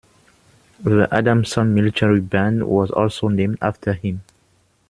The Adamson Military Band was also named after him.